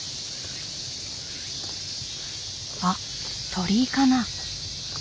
あっ鳥居かな？